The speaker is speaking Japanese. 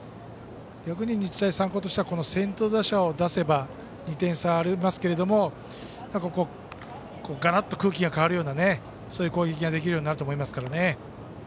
逆に日大三高としては先頭打者を出せば２点差がありますけどガラッと空気が変わるようなそういう攻撃ができるようになると思いますからね。